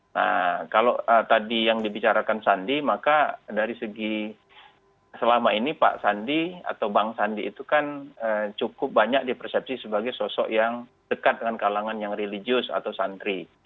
nah kalau tadi yang dibicarakan sandi maka dari segi selama ini pak sandi atau bang sandi itu kan cukup banyak dipersepsi sebagai sosok yang dekat dengan kalangan yang religius atau santri